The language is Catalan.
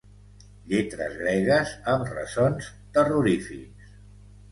Lletres gregues amb ressons terrorífics.